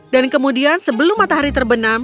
dan kemudian sebelum matahari terbenam